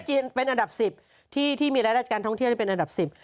จีนเป็นอันดับ๑๐ที่มีรายรัฐการท่องเที่ยวเป็นอันดับ๑๐